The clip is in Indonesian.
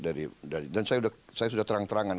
dan saya sudah terang terangan